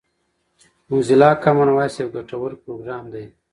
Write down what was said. موزیلا کامن وایس یو ګټور پروګرام دی.